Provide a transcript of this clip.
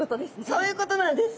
そういうことなんです。